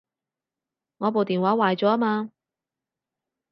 我部電話壞咗吖嘛